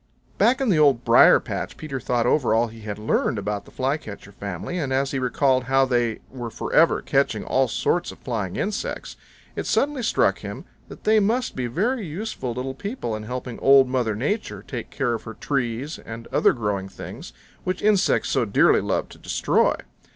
Back in the Old Briar patch Peter thought over all he had learned about the Flycatcher family, and as he recalled how they were forever catching all sorts of flying insects it suddenly struck him that they must be very useful little people in helping Old Mother Nature take care of her trees and other growing things which insects so dearly love to destroy.